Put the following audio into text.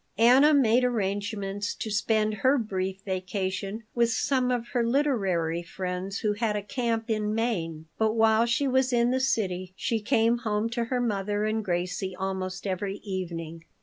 Anna made arrangements to spend her brief vacation with some of her literary friends who had a camp in Maine, but while she was in the city she came home to her mother and Gracie almost every evening.